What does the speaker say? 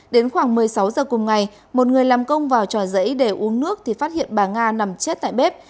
đến khoảng một mươi sáu giờ cùng ngày một người làm công vào trò giấy để uống nước thì phát hiện bà nga nằm chết tại bếp